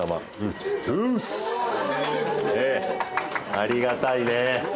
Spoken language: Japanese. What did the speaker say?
ありがたいね。